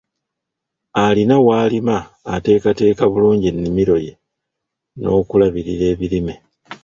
Alina w'alima ateeketeeke bulungi ennimiro ye n'okulabirira ebirime.